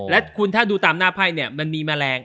และคุณถ้าดูตามหน้าไพ่เนี่ยมันมีแมลง